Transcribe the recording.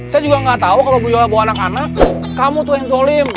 saya juga nggak tahu kalau bu yola bawa anak anak kamu tuh yang zolim